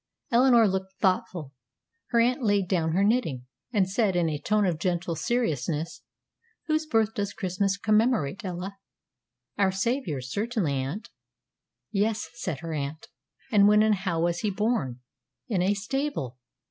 Eleanor looked thoughtful; her aunt laid down her knitting, and said, in a tone of gentle seriousness, "Whose birth does Christmas commemorate, Ella?" "Our Savior's, certainly, aunt." "Yes," said her aunt. "And when and how was he born? In a stable!